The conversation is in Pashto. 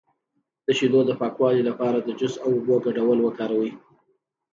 د شیدو د پاکوالي لپاره د جوش او اوبو ګډول وکاروئ